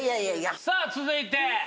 さぁ続いて！